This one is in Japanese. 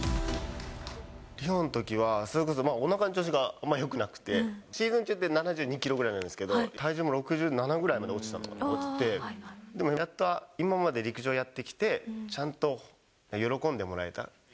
リオのときは、それこそおなかの調子があんまよくなくて、シーズン中って、７２キロぐらいなんですけど、体重も６７ぐらいまで落ちて、でも今まで陸上やってきて、ちゃんと喜んでもらえた。